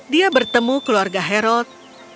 dia bertemu keluarga harold